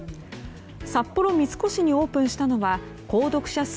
札幌三越にオープンしたのは購読者数